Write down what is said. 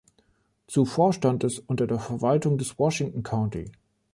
Zuvor stand es unter der Verwaltung des Washington County.